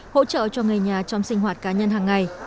hỗ trợ cho người nhà trong sinh hoạt cá nhân hàng ngày